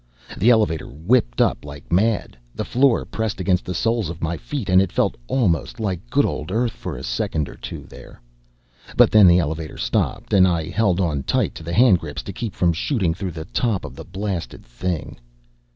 The elevator whipped up like mad, the floor pressed against the soles of my feet, and it felt almost like good old Earth for a second or two there. But then the elevator stopped, and I held on tight to the hand grips to keep from shooting through the top of the blasted thing.